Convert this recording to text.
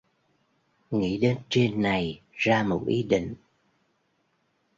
Nghĩ đến đây trên này ra một ý định